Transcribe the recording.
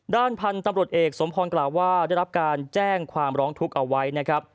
ด้านพันธุ์ตำรวจเอกสมพรกล่าวว่าได้รับการแจ้งความร้องทุกข์เอาไว้นะครับ